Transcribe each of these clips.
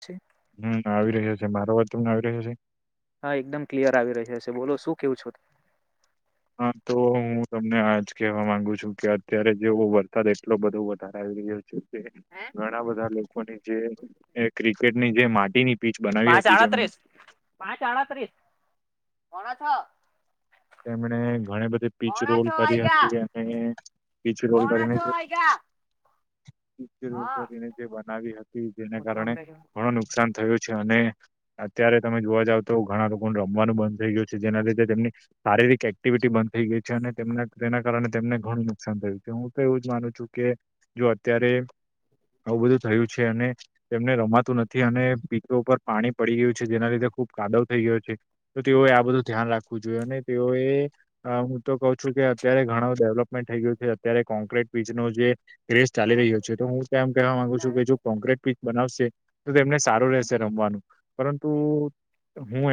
છે હમ આવી રહ્યો છે, મારો વાત તને આવી રહ્યો છે? હા એકદમ ક્લિયર આવી રહ્યા હશે બોલો શું કેવું છો. હા તો હું તમને આજ કેહેવા માંગુ છું કે અત્યારે જેવો વરસાદ એટલો બધો વધારારે હે ઘણા બધા લોકોની જે ક્રિકેટની જે માટીની પીચ બનાવી પાંચ હતી જેમણે આડત્રીસ પાંચ આડત્રીસ પોણા છ. તેમણે. ઘણી બધી પીચ પોણા રોલ છ કરી વાયગા હતી અને પીચ રોલ પોણા છ કરી. વાયગા હા કરીને જે બનાવી હતી જેને કારણે ઘણો નુ કસાન થયું છે અને અત્યારે તમે જોવા જાવ તો ઘણા લોકોને રમવાનું બંધ થઈ ગયું છે જેના લીધે તેમની શારીરિક એક્ટિવિટી બંધ થઈ ગઈ છે, અને તેમને તેના કારણે તેમને ઘણું નુકસાન થયું છે, હું તો એવું જ માનું છું કે જો અત્યારે આવું બધું થયું છે, અને તેમને રમાતું નથી અને પિચો ઉપર પાણી પડી ગયું છે, જેના લીધે ખૂબ કાદવ થઈ ગયો છે, તો તેઓએ આ બધું ધ્યાન રાખવું જોઈએ અને તેઓએ હું તો કઉ છું કે અત્યારે ઘણ ડેવલપમેન્ટ થઈ ગયું છે, અત્યારે કોન્ક્રીટ પીચ નું જે ક્રેઝ ચાલી રહ્યો છે, તો હું એમ કહેવા માંગુ છું કે જો કોન્ક્રીટ પીચ બનાવશે તો તેમને સારું રહેશે રમવાનું. હું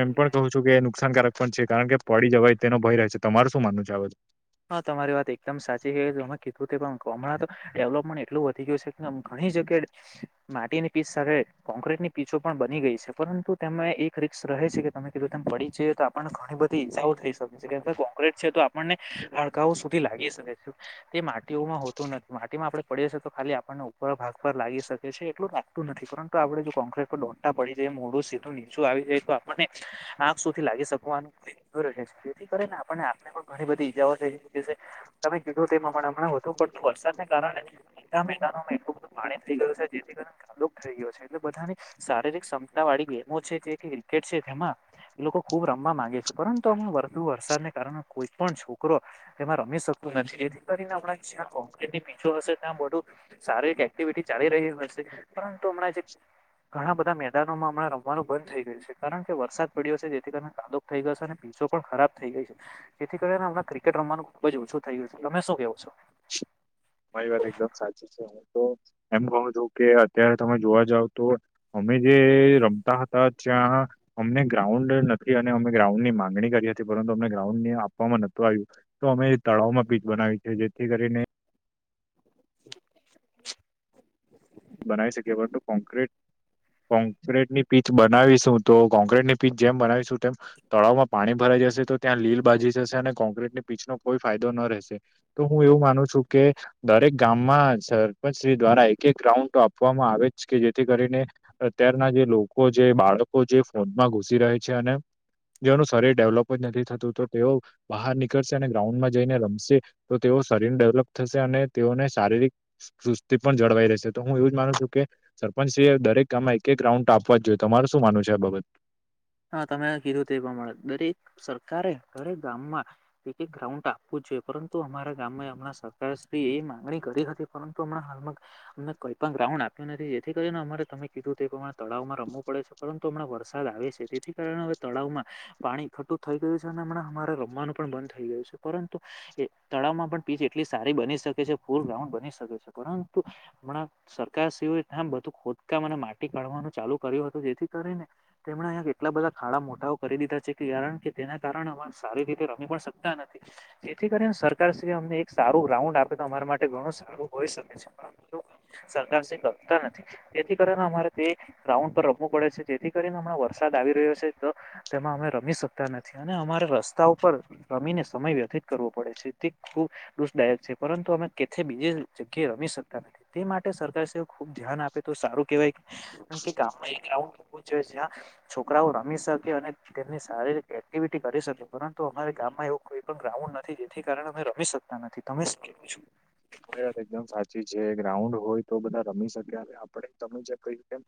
એમ પણ કું છું કે નુકસાનકારક પણ છે, કારણ કે પડી જવાય તેનો ભય રહે છે, તમારે શું માનવ છે આ બાત માં? હા તમારી વાત એકદમ સાચી છે તમે કીધું તે પણ હમણાં તો ડેવલપમેન્ટ એટલું વધી ગયું છે, ઘણી જગ્યા માટીની પીચ સાથે કોક્રીટની પીચો પણ બની ગઈ છે, પરંતુ તેમમાં એક રીકસ રહે છે, કે તમે કીધું તેમ પડી જ તો આપને ઘણી બધી ઈજાઓ થઈ શકે. કોક્રીટ છે તો આપણને હાડકાઓ સુધી લાગી શકે છે, તે માટીઓમાં હોતું નથી માટીમાં આપણે પડીશે તો ખાલી આપણને ભાગ પર લાગી શકે છે, એટલું લતું નથી પરંતુ આપણે જો કોંકટ ડોટા પડી જાય મોડું સીધું નીચું આવી આપને આંખ સુથી લાગી શકવાનું જેથી કરીને આપને આને પણ ઘણી બધી [unintelligible] તમે કીધો તેમાં પણ હમણા વધુ પડતું વરસાદને કારણે મેટલ પાણી થઈ ગયો છે, જેથી કર કાદોક થઈ ગયો છે, એટલે બધાની શારીરિક ક્ષમતા વાળી ગેમો છે, જે ક્રિકેટ છે, તેમાં લોકો ખુબ રમવા માંગે છે, પરંતુ અમ વરધુ વરસાદને કારણે કોઈ પણ છો કરો એમાં રમી શકતો નથી એથી કરીને જ્યાં પીચો હશે ત્યાં બધું સારી એક્ટિવિટી ચાલી રહી હશે, પરંતુ હમણાં જે ઘણા બધા મેદામાં હમણાં રમવાનું બંધ થઈ ગયું છે, કારણ કે વરસાદ પડ્યો છે, જેથી કરીને કાદુકો થઈ ગયો છે. અને પણ ખરાબ થઈ ગઈ છે, જેથી કરીને હમણાં. ક્રિકેટ રમવાનું ખુબ જ ઓછું થઈ ગયું છે, તમે શું કેવો છો? તમારી વાત એકદમ સાચી છે, હું તો એમ કહું છું, કે અત્યારે તમે જોવા જાવ તો. મે જે રમતા હતા ત્યાં અમને ગ્રાઉન્ડ નથી, અને અમે ગ્રાઉન્ડ ની માંગણી કરી હતી પરંતુ અમને ગ્રાઉન્ડ ને આપવામાં નહોતું આવ્યું તો અમે તળાવમાં પીચ બનાવી છે, જેથી કરીને બનાવી શકીએ, પરંતુ કોંક્રેટ કોંક્રીટની પીચ બનાવીશું તો કોંક્રીટની પીચ જેમ બનાવીશું તેમ તળાવમાં પાણી ભરાઈ જશે તો ત્યાં લીલ બાજી જશે અને કોંક્રીટની પીચનો કોઈ ફાયદો ન રહેશે તો હું એવું માનું છું કે દરેક ગામમાં સરપંચ શ્રી દ્વારા એક એક ગ્રાઉન્ડ તો આપવામાં આવે જ કે જેથી કરીને અત્યારના જે લોકો જે બાળકો જે ફોનમાં ઘુસી રહ છે અને જેઓનું શરીર ડેવલોપ જ નથી થતું તો તેઓ બહાર નીકળશે અને ગ્રાઉન્ડમાં જઈને રમશે તો તેઓ શરીર ડેવલપ થશે અને તેઓને શારીરિક સુસ્તી પણ જળવાઈ રહેશે તો હું એવું જ માનું છું, કે સરપંચશ્રી એ દરેક કામમાં એક એક રાઉન્ડ ટ આપવા જ જોઈએ, તમાર શું માનવું છે આ બાબત હા તમે કીધું તે પ્રમાણે દરેક સરકારે દરેક ગામમાં એક એક ગ્રાઉન્ડ આપવું છે પરંતુ અમારા ગામ હમણાં સરકાર શ્રી એ માંગણી કરી હતી પરંતુ હમણાં હાલમાં કંઈ પ પણ ગ્રાઉન્ડ આપ્યું નથી જેથી કરીને અમારે તમે કીધું તે એ પ્રમાણે તળાવ માં રમવું પડે છે પરંતુ હમણાં વરસાદ આવે છે તેથી કારણે હવે તળાવમાં પાણી ખોટું થઈ ગયું છે અને હમણાં અમારે રમવાનું પણ બંધ થઈ ગયું છે પરંતુ એ તળાવમાં પણ પીચ એટલી સારી બની શકે છે ફૂલ રાઉન્ડ બની શકે છે પરંતુ હમણાં સરકાર શ્રીઓએ આમ બધું ખોદકામ અને માટી કાઢવાનું ચાલુ કર્યું હતું જેથી કરીને તેમણે હા કે ટલા બધા ખાડા મોટાઓ કરી દીધા છે કારણ કે તેના કારણે અ સારી રીતે રમી પણ શકતા નથી તે થી કરીને સરકાર શું અમને એક સારું રાઉન્ડ આપે, તો અમારા માટે ઘણું સારું હોય શકે છે. સરકાર શ્રી કરતા નથી જેથી કરીને અમારે તે ગા‌ઉન્ડ રમવું પડે છે, જેથી કરી ને હમણાં વર વરસાદ આવી રહ્યો છે, તો તેમાં અમે રમી શકતા નથી, અને અમારે રસ્તા ઉપર રમીને સમય વ્યથ તે કરવો પડે છે, તે દુઃખદાયક છે, પરંતુ અમે કેથે બીજી જગ્યાએ રમી શકતા નથી. તે માટે સરકાર ખુબ ધ્યાન આપે તો સારું કેહેવાય, ગામમાં એવું. છોકરાઓ રમી શકે અને તેમની શારીરિક એક્ટિવિટી કરી શકે પરંતુ અમારે ગામમાં એવું કોઈ પણ ગ્રાઉ પણ નથી જેથી કારણે અમે રમી શકતા નથી તમે કેવું છે? તો યાર એકદમ સાચી છે, ગ્રાઉન્ડ હોય તો બધા રમી શકે અને આપડે તમે જે કહ્યું તેમ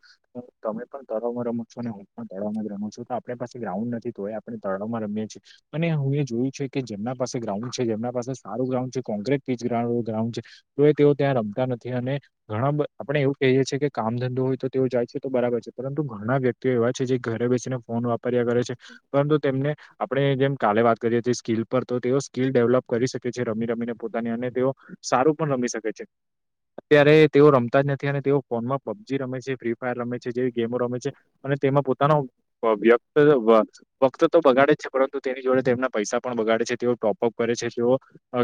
તમે પણ તળાવમાં રમો છો અને હું પણ તળાવમાં જ રમું છું તો આપણે પાસે ગ્રાઉન્ડ નથી તો એ આપણે તળાવમાં રમીએ અને હું એ જોયું છે કે જેમના પાસે ગ્રાઉન્ડ છે જેમના પાસે સારું ગ્રાઉન્ડ છે કોંક્રેટ પીચ ગ્રાઉન્ડ ગ્રાઉન્ડ છે તો એ તેઓ ત્યાં રમતા નથી અને ઘણા આપણે એવું કહીએ છે કે કામ ધંધો હોય તો તેઓ જાય છે તો બરાબર છે પરંતુ ઘણા વ્યક્તિઓ એવા છે, જે ઘરે બેસીને ફોન વાપર્યા કરે છેપરંતુ તેમને આપડે જેમ કાલે વાત કરીએ છીએ, સ્કિલ પર તો તેઓ સ્કિલ ડેવલપ કરી શકે છે, રમી રમીને પોતાની અને તેઓ સારું પણ રમી શકે છે અત્યારે તેઓ રમતા જ નથી અને તેઓ ફોનમાં પબજી રમે છે, ફ્રી ફાયર રમે છે, જેવી ગેમો રમે છે અને તેમાં પોતાનો વ્યક્ત વક્ત તો બગાડે જ છે પરંતુ તેની જોડે તેમના પૈસા પણ બગા ડે તેઓ ટોપઅપ કરે છે તેઓ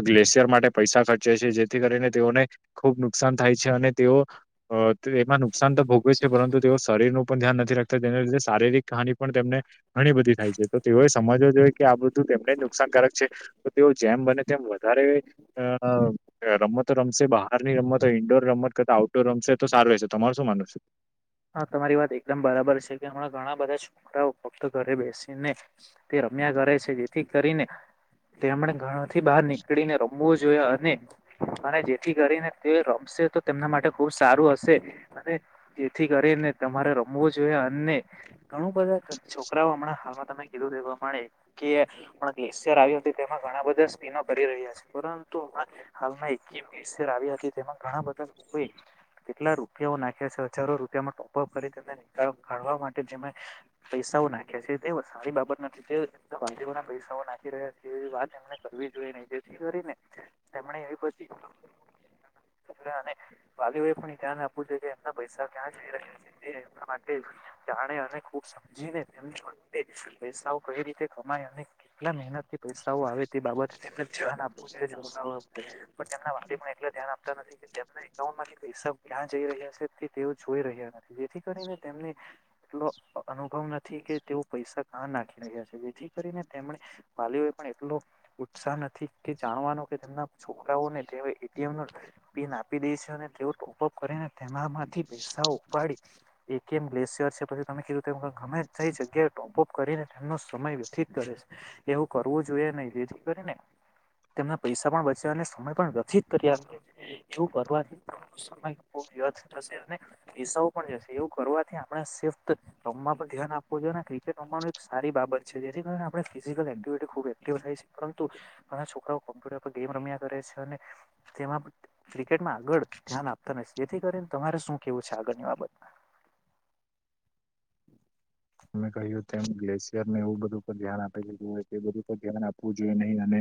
ગ્લેશિયર માટે પૈસા ખર્ચ જાય જેથી કરીને તેઓને ખુબ નુકસાન થાય છે અને તેઓ અ તો એમાં નુકસાન તો ભોગવવે જ છે પરંતુ તેઓ શરીર નું પણ ધ્યાન ન તેના લીધે શારીરિક હાની પણ તેમને ઘણી બધી થાય છે તો તેઓએ સમજવું જોઈએ કે આ બધું તેમને નુકસાનકારક છે તો તેઓ જેમ બને તેમ વધારે અ રમતો રમશે બહાર ની રમત ઈન્ડોર રમત કરતા આઉટડોર રમશે તો સારું રહેશે તમાર શું માનવું છે? હા તમારી વાત એકદમ બરાબર છે કે હમણાં ઘણા બધા છોકરાઓ ફક્ત ઘરે બેસીને તે ર રમ્યા કરે છે જેથી કરીને તેમણે ઘરથી બહાર નીકળીને રમવું જોઈએ એને અને જેથી કરીને તે રમશ શે તો તેમના માટે ખુબ સારું હશે અને જે થી કરીને તમારે રમવું જોઈએ અને ઘણું બધા છોકરાઓ હમણાં હાલમાં તમે કીધું તેવા માણે કે પણ ગ્લેશિયર આવ્યુ તેમાં ઘણા બધા સ્પીનો કરી રહ્યા છે પરંતુ આમા હાલમાં એક [inaudible] આવી હતી તેમાં ઘણા બધા લોકોએ કેટલા રૂપિયાઓ નાખ્યા છે જારો રૂપિયામાં ટોપઅપ કરીને કાઢવા માટે જે પૈસાઓ નાખ્યા છે તે સારી બાબ નથી તે [unintelligible] ના પૈસાઓ નાખી રહ્યા છે એવી વાત એમને કરવી જોઈએ નઈ જેથી કરીને તેમણે એવી બધી [inaudible] વાલીઓ એ પણ ધ્યાન આપવું જોઈએ કે એમના પૈસા ક્યાં જઈ રહ્યા છે તે એમના માટે જાણે અને ખુબ સમજીને તેમની જોડે પૈસાઓ કઈ રીતે કમાય અને કેટલા મહેનત થી પૈસાઓ આવે તે બાબતે તેમને ધ્યાન આપવુ જોઇએ પણ તેમના વાલી પણ એટલા ધ્યાન આપતા નથી કે, તેમના એકાઉન્ટમાંથી પૈસા ક્યાં જઈ રહ્યા છે તે. તેઓ જોઈ રહ્યા નથી, જેથી કરીને તેમને એટલો અનુભવ નથી કે તેઓ પૈસા ક્યાં નાખી રહ્યા છે, જેથી કરીને તેમ વાલીઓ પણ એટલો ઉત્સાહ નથી કે જાણવાનો કે તેમના છોકરાઓને એટીએમ નો પિન આપી દે છે, અને તેઓ ટોપઅપ કરીને તેમાંથી પૈસા ઉપાડી. એક એમ ગ્લેસિયર છે. પછી તમે કીધું, ગમે જેઈ જગ્યાએ ટોપઅપ કરીને એમનો સમય વ્યથિત કરે છે. એવું કરવું જોઈએ નહીં, જેથી કરીને. તેમને પૈસા પણ બચ્યા, અને સમય પણ ગતિ [inaudible] એવું કરવારથી સમય બો વ્યથ થશે. પૈસાઓ પણ જશે એવું કરવાથી, આપણે સેફ પણ ધ્યાન આપવું જોઈએ ને ક્રિકેટ રમવાનું સારી. સારી બાબત છે, જેથી કરીને આપણી ફીઝીક્લ એક્ટિવિટી ખૂબ એક્ટિવ થાય છે. પરંતુ ઘણા છોકરાઓ કમ્પ્યુટર ઉપર ગેમ રમે મજા કરે છે અને તેમાં ક્રિકેટમાં આગળ ધ્યાન આપતા નથી, જેથી કરીને તમારે શું કેવું છે આગળની બાબતમા? અમે કહ્યું તેમ, ગ્લેશિયર ને એવું બધું પર ધ્યાન આપી દીધું હોય કે, બધું પર ધ્યાન આપવું જોઈએ નહીં અને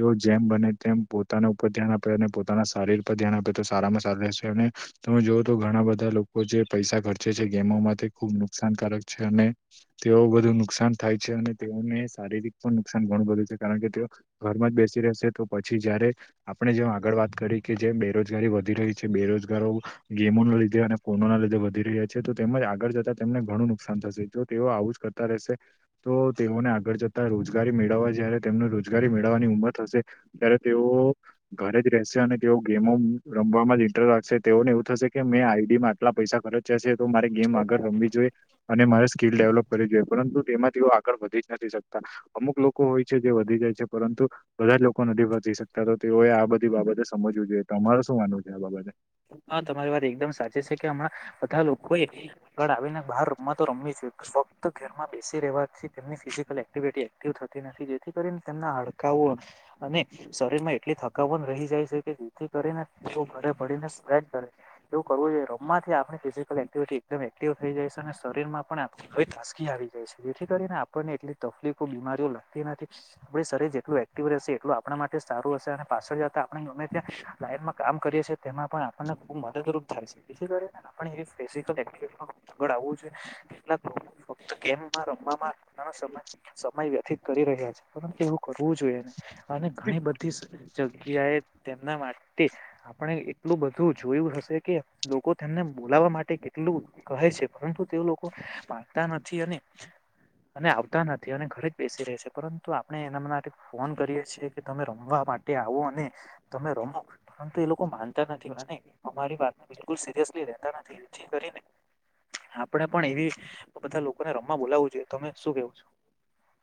એ જેમ બને તેમ પોતાના ઉપર ધ્યાન આપે અને પોતાના શારીર પર ધ્યાન આપે, તો સારામા સારુ રહેશે. અને તમે જોઓ તો ઘણા બધા લોકો જે પૈસા ખર્ચે છે, ગેમોમાં તે ખુબ નુકસાનકારક છે, અને તેઓ બધુ નુકસાન થાય છે, અને તેઓને શારીરિક પણ નુકસાન ઘણું બધું છે, કારણ કે તેઓ ઘરમાં જ બેસી રહેશે તો પછી જયારે આપણે જેમ આગળ વાત કરી કે જે બેરોજગારી વધી રહી છે બેરોજગારો ગેમો ના લીધે અને ફોનો ના લીધે વધી રહ્યા છે તો તેમજ આગળ જતા તેમને ઘણુંનું કસાન થશે જો તેઓ આવું જ કરતા રહેશે તો તેઓને આગળ જતા રોજગારી મેળવવા જયારે તેમનું રો રોજગારી મેળવવાની ઉંમર થશે ત્યારે તેઓ ઘરે જ રહેશે અને તેઓ ગેમો રમવામાં. ડર રાખશે. તેઓને એવું થશે કે, મેં આઈડીમાં આટલા પૈસા ખર્ચ્યા છે, તો મારે ગેમ આગળ રમવી જોઈએ. અને મારે સ્કીલ ડેવલપ કરવી જોઈએ, પરંતુ તેમાંથીઓ આગળ વધી જ નથી શકતા, અમુક લોકો. કો હોય છે, જે વધી જાય છે. પરંતુ બધા જ લોકો નથી પોચી શકતા, તો તેઓએ આ બધી બાબતે સમજવું જોઈએ. તો તમારે શું માનવું છે આ બાબતે? હા તમારી વાત એકદમ સાચી છે કે હમણાં બધા લોકોએ ગળ આવીને બહાર ર રમતો રમવી જોઈએ. જો તો ઘરમાં બેસી રહેવાથી તેમની ફિઝિકલ એક્ટિવિટી એક્ટિવ થતી નથી, જેથી કરીને તેમના હડકાઓ અને શરીર માં એટલી થકાવન રહી જાય છે કે, જેથી કરીને તેઓ ને બેડીનેસ [inaudible] એવું કરવું જોઈએ. રમવાથી આપણી ફિઝિકલ એક્ટિવિટી એકદમ એક્ટિવ થઈ જાય છે, અને શરીર મા પણ તાસકી આવી જાય છે, જેથી કરીને આપણને એટલી તકલીફો, બીમારીઓ લાગતી નથી. આપડે શરીર જેટલું એક્ટિવ રહેશે, એટલું આપણા માટે જ સારું હશે. અને પાછળ જતા આપણે, અમે ત્યાં લાઈનમાં કામ કરીએ છીએ, તેમાં પણ ખુબ મદદરૂપ થાય છે, જેથી કરીને આપડે ફીઝીક્લ એક્ટિવિટી મા આગડ આવવુ જોઈએ, કેટલાક લોકો ફક્ત ગેમમાં રમવામાં નાનો સમય સમય વ્યથિત કરી રહ્યા છે, પર કે એવું કરવું જોઈએ નહીં. અને ઘણી બધી જગ્યાએ તેમના માટે આપણે એટલું બ ધુ જોયું હશે કે લોકો તેમને બોલાવા માટે કેટલું કહે છે, પરંતુ તે લોકો માનતા નથી અને અને આવતા નથી અને ઘરે જ બેસી રહે છે, પરંતુ આપણે એના માતે ફોન કરીએ છીએ કે તમે રમવા માટે આવો અને તમે રમો પરંતુ એ લોકો માનતા નથી. અમારી વાતને બિલકુલ સિરિયસલી લેતા નથી જેથી કરીને આપડે પણ એવી બધા લોકોને રમવા બોલાવવું જોઈએ તમે શું કેવ છો?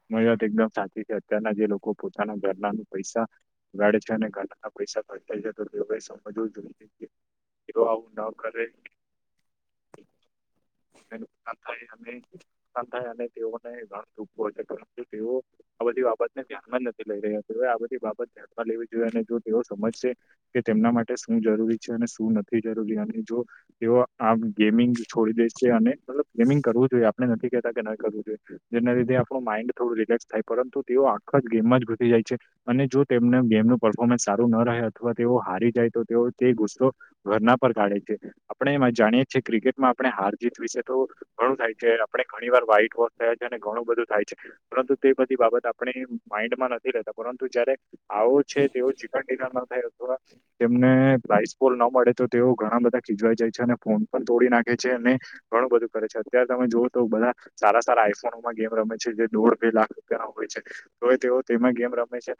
તમારી વાત એકદમ સાચી છે, અત્યારના જે લોકો પોતાના ઘરનાનુ પૈસા ગાડે છે, અને [unintelligible] પૈસા ખર્ચાય છે, તો તેઓએ સમજવું જોઈએ તેઓ આવું ન કરે નુકસાન થાય અને નુકસાન થાય અને તેઓને ઘણા દુખો તેવો આ બધી બાબતને ધ્યાનમાં જ નથી લઈ રહ્યા તેઓ બધી બાબત ધ્યાનમાં લેવી જોઈએ અને જો તેઓ સમજશે કે તેમના માટે શું જરૂરી છે, અને શું નથી જરૂરી અને જો તેઓ આમ ગેમિંગ છોડી દે છે. અને મતલબ ગેમિંગ કરવું જોઈએ આપડે નથી કેતા કે ન કરવું જોઈએ જેના લીધે આ પણુ માઈન્ડ થોડું રિલેક્સ થાય પરંતુ તેઓ આખા જ ગેમમાં જ ઘુસી જાય છે, અને જો તેમને ગેમનું પરફોર્મન્સ સારુ ન રહે અથવા તેઓ હારી જાય તો તેઓ તે ગુસ્સો ઘરના પર કાઢે છે. આપણે જાણીએ જે ક્રિકેટમાં આપણે હાર જીત વિશે તો ઘણું થાય છે, આપણે ઘણી વાર વાઈટ બોલ છે જેને ઘણું બધું થાય છે, પંરતુ તે બધી બાબત આપણે માન્ડમાં નથી લેતા પરંતુ જયારે આવો છે, તેઓ ચીકન ડિનર ન થાય અથવા તેમને પ્રાઈપુલ ન મળે તો તેઓ ઘણા બધા ખીજવાય જાય છે, અને ફોન પણ તોડી નાખે છે અને ઘણું બધું કરે છે. અત્યારે તમે જોઓ તો બધા સારા સારા આઈફોનોમાં ગેમ રમે છે, જે દોઢ બે લાખ રૂપિયાનો હોઈ છે, તોએ તેઓ તેમા ગેમ રમે છે,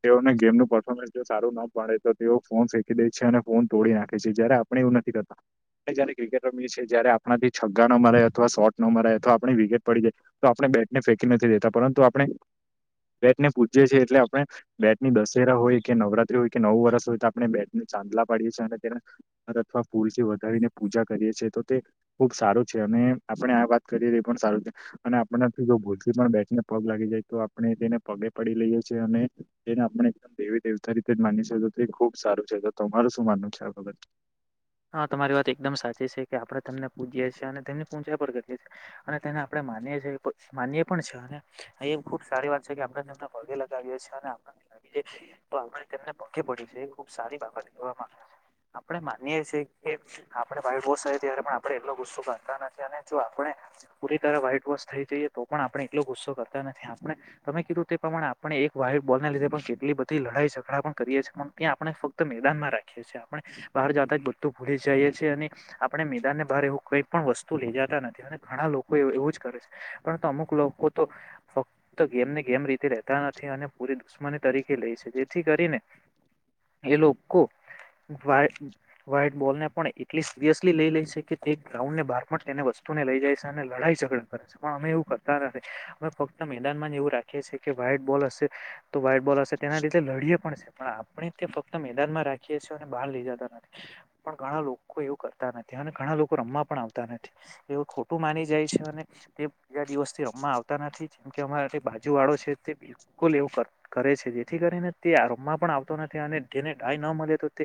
તેઓને ગેમનુ પરફોમન્સ સારું ના પડે તો તેઓ ફોન શેકી દે છે, અને ફોન તોડી નાખે છે, જયારે આપણે એવું નથી કરતા [unintelligible] કિકેટ રમીયે છે, જય્યારે આપણાથી છગ્ગા ન મારાય અથવા શોટ ન મારાય અથવા આપણી વિકેટ પડી જાય તો આપણે બે નથી દેતા પરંતુ આપણે બેટ ને પૂજએ છે, એટલે આપણે બેટની દસેરા હોય કે નવરાત્રી હોય કે નવું વર્ષ હોય તો આપણે બે ચાંદલા પાડીએ છે, અને તેના અથવા ફૂરલી વધાવીને પૂજા કરીએ છીએ તો તે ખુબ સારો છે, અને આપણે આ વાત કરીએ એ પણ સારું છે, અને આપને ભૂલ થી પણ બેઠીને પગ લાગી જાય તો આપણે તેને પગે પડી લઈએ છે, અને તેને આપણે દેવતા રીતે જ માનીએ છે, ત તે ખુબ સારું છે, તો તમારું શું માનવું છે આ બાબત? હા તમારી વાત એકદમ સાચી છે કે આપડણે તેમને પૂછએ છીએ અને તેમની પૂંછા પર કરીએ છીએ અને તેને આપણે માની પણ છે અને ખુબ સારી વાત છે આપણેને પગે લગાવીએ છીએ અને આપ તો આપણે તેમને પગે પડીયે છે, ખુબ સારી બાબત કેવામા આપણે મા ને છે કે આપણે [unintelligible] તયારે પણ આપણે એટલો ગુસ્સો કરતા નથી અને જો આપણે પુરી વ્હાઈટ વોશ થઈ જઈએ તો પણ આપણે એટલો ગુસ્સો કરતા નથી. આપણે તમે કીધું તે પ્રમાણે આપણે એક વ્હાઈટ બોલ ના લીધે પણ કેટલી બધી લડાઈ ઝઘડા પણ કરીએ છે, પણ ત્યા આપણે ફક્ત મેદાનમાં રાખીએ છીએ આપણે બહાર જા તા જ બધું ભૂલી જાયે છે અને આપણે મેદાન ને બાર એવું કઈ પણ વસ્તુ લે જાતા નથી અને ઘણા લોકો એ એવું જ કરે છે, પરતુ અમુક લોકો તો ફક્ત ગેમને ગેમ રીતે રેતા નથી અને પૂરી દુશમની તરીકે લે છે, જેથી કરીને એ લોકો [unintelligible] વ્હાઈટ બોલ ને પણ એટલી સિરિયસલી લે લે છ, કે તે ગ્રાઉન્ડ ને બાર પણ તેને વસ્તુ લઈ જાય છે, અને લ ડાઈ જધડા કરે છે, પણ અમે એવું કરતા નથી અમે ફક્ત મેદાનમાં જ એવું રાખીએ છે, કે વ્હાઈટ બોલ હશે તો વ્હાઈટ બોલ હશે તેના લીધે લડીએ પણ છે, પણ આપણે તે ફક્ત મેદાનમાં રાખીએ છે અને બહાર લઈ જતા ન પણ ઘણા લોકો એવું કરતા નથી અને ઘણા લોકો રમવા પણ આવતા નથી. તેઓ ખોટું માની જાય છે, અને તે બીજા દિવસ થી રમવા આવતા નથી જેમ કે અમારા જે બાજુ વાળો છે, તે બિલકુલ એવું ક કરે છે, જેથી કરીને તે રમમાં પણ આવતો નથી અને તેને ડાય ન મલે તો તે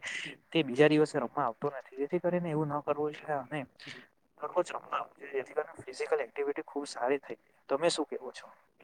તે બીજા દિવસે રમવા આવતો નથી જેથી કરીને એવું ન કરવું જોઈએ અને [unintelligible] જેથી ફિઝિકલ એક્ટિવિટી ખુબ સારી થાય તમે શું કેવો છો?